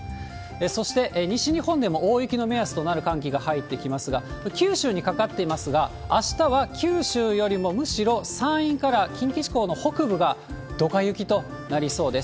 そして、西日本でも大雪の目安となる寒気が入ってきますが、九州にかかっていますが、あしたは九州よりもむしろ山陰から近畿地方の北部がドカ雪となりそうです。